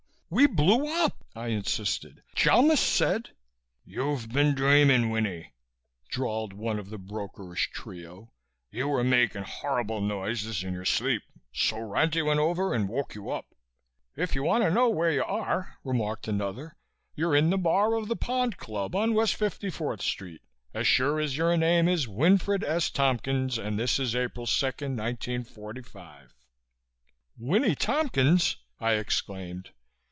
"We blew up!" I insisted. "Chalmis said...." "You've been dreaming, Winnie," drawled one of the brokerish trio. "You were making horrible noises in your sleep so Ranty went over and woke you up." "If you want to know where you are," remarked another, "you're in the bar of the Pond Club on West 54th Street, as sure as your name is Winfred S. Tompkins and this is April 2nd, 1945." "Winnie Tompkins!" I exclaimed.